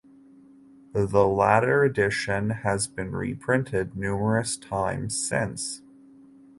The latter edition has been reprinted numerous times since.